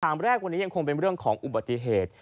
แรกวันนี้ยังคงเป็นเรื่องของอุบัติเหตุ